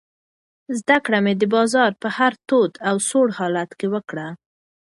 زده کړه مې د بازار په هر تود او سوړ حالت کې وکړه.